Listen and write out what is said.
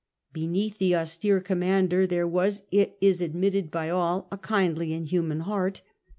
Beneath the austere commander there was, it is admitted by all, a kindly and human heart.